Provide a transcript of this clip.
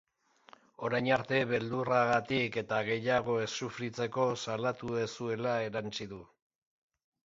Orain arte beldurragatik eta gehiago ez sufritzeko salatu ez zuela erantsi du.